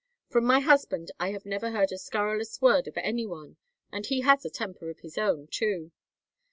From my husband I have never heard a scurrilous word of any one, and he has a temper of his own, too.